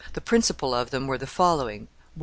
The principal of them were the following: 1.